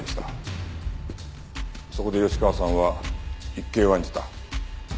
そこで吉川さんは一計を案じた。